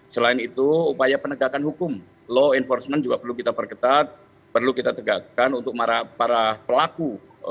selain itu upaya penegakan hukum law enforcement juga perlu kita perketat perlu kita tegakkan untuk para pelaku